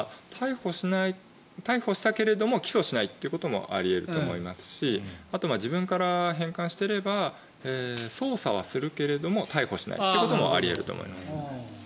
逮捕したけども起訴しないということもあり得ると思いますしあと、自分から返還していれば捜査はするけれども逮捕しないということもあり得ると思います。